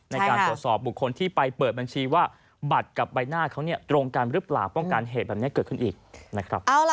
ในการตรวจสอบบุคคลที่ไปเปิดบัญชีว่าบัตรกับใบหน้าเขาเนี่ยตรงกันหรือเปล่าป้องกันเหตุแบบนี้เกิดขึ้นอีกนะครับ